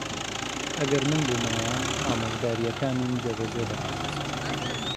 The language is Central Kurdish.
ئەگەر من بوومایە، ئامۆژگارییەکانیم جێبەجێ دەکرد.